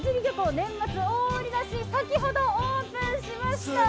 年末大売出し先ほどオープンしました。